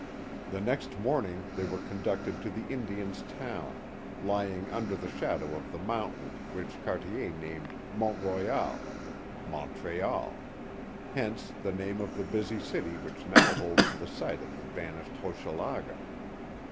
The next morning they were conducted to the Indians' town, lying under the shadow of the mountain 14 The Mohawk Valley which Cartier named Mont Royal — Montreal; "hence the name of the. busy city which now holds the site of the vanished Hochelaga.